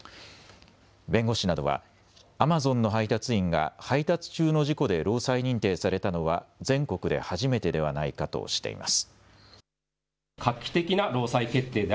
弁護士などはアマゾンの配達員が配達中の事故で労災認定されたのは全国で初めてではないかとしています。